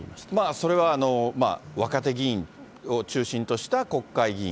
それは若手議員を中心とした国会議員。